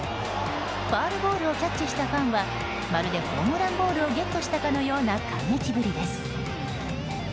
ファウルボールをキャッチしたファンはまるでホームランボールをゲットしたかのような感激ぶりです。